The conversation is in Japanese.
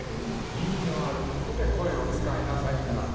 意味のあることで声を使いなさいというのは。